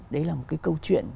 đấy là một cái câu chuyện